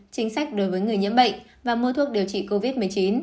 chính sách đối với người nhiễm bệnh và mua thuốc điều trị covid một mươi chín